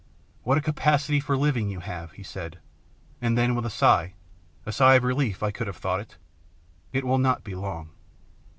" What a capacity for living you have !" he said ; and then, with a sigh, a sigh of relief I could have thought it, " It will not be long."